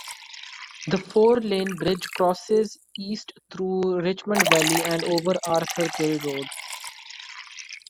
The four-lane bridge crosses east through Richmond Valley and over Arthur Kill Road.